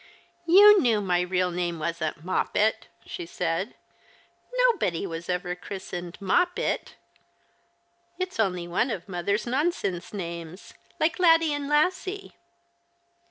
" Yon knew my real name wasn't Moppet," she said. " iNTobody was ever christened Moppet ! It's only one of mother's nonsense names, like Laddie and Lassie."